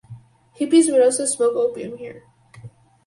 Hippies would also smoke opium here.